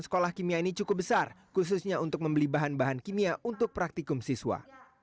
sekolah kimia ini cukup besar khususnya untuk membeli bahan bahan kimia untuk praktikum siswa